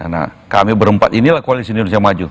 nah kami berempat inilah koalisi indonesia maju